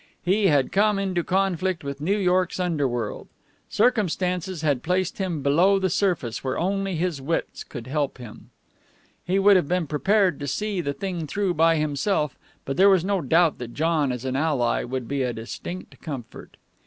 He had come into conflict with New York's underworld. Circumstances had placed him below the surface, where only his wits could help him. He would have been prepared to see the thing through by himself, but there was no doubt that John as an ally would be a distinct comfort.